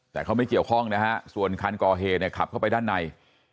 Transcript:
แต่เขาไม่เกี่ยวข้องนะฮะส่วนคันก่อเหตุเนี่ยขับเข้าไปด้านใน